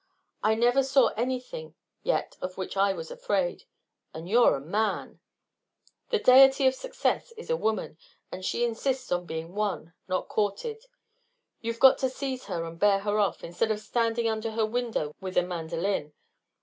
I never saw anything yet of which I was afraid and you're a man. The deity of success is a woman, and she insists on being won, not courted. You've got to seize her and bear her off, instead of standing under her window with a mandolin.